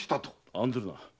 案ずるな。